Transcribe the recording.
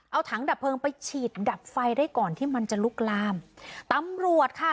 เอาถังดับเพลิงไปฉีดดับไฟได้ก่อนที่มันจะลุกลามตำรวจค่ะ